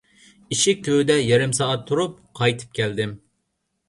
ئىشىك تۈۋىدە يېرىم سائەت تۇرۇپ قايتىپ كەلدىم.